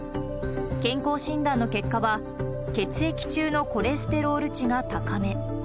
健康診断の結果は、血液中のコレステロール値が高め。